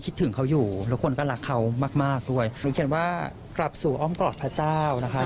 ดูเขียนว่ากลับสู่อ้อมกอร์ดพระเจ้านะคะ